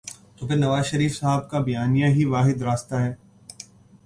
تو پھر نوازشریف صاحب کا بیانیہ ہی واحد راستہ ہے۔